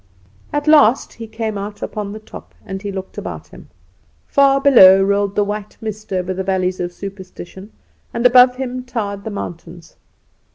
"At last he came out upon the top, and he looked about him. Far below rolled the white mist over the valleys of superstition, and above him towered the mountains.